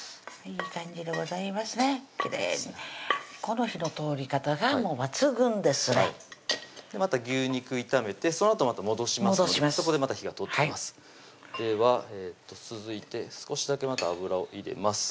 きれいにこの火の通り方が抜群ですねまた牛肉炒めてそのあとまた戻しますのでそこでまた火が通っていきますでは続いて少しだけまた油を入れます